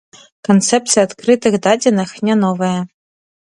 Канцэпцыя адкрытых дадзеных не новая.